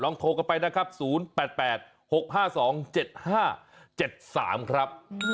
โทรกันไปนะครับ๐๘๘๖๕๒๗๕๗๓ครับ